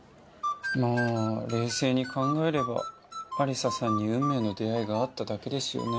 まあ冷静に考えれば亜里沙さんに運命の出会いがあっただけですよね。